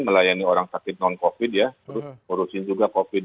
melayani orang sakit non covid ya terus ngurusin juga covid